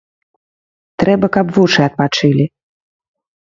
Трэба, каб вушы адпачылі!